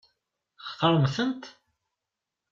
Textaṛem-tent?